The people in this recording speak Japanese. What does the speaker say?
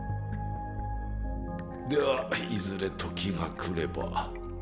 ではいずれ時が来れば。